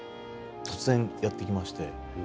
突然やって来まして。